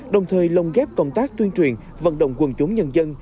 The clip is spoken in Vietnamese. đồng thời lồng ghép công tác tuyên truyền vận động quần chống nhân dân